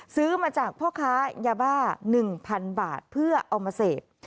ซื้อมาจากพ่อค้ายาบ้า๑๐๐๐บาทเพื่อเอามาเสพ